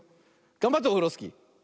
がんばってオフロスキー。